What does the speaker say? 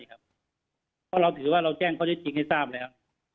เพราะเราถือว่าเราแจ้งข้อเท็จจริงให้ทราบแล้ว